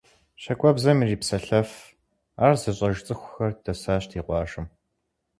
ЩакӀуэбзэм ирипсэлъэф, ар зыщӀэж цӀыхухэр дэсащ ди къуажэм.